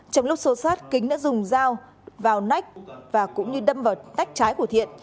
trong lúc xô sát kính đã dùng dao vào nách và cũng như đâm vào tách trái của thiện